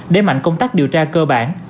đế mạnh công tác điều tra cơ bản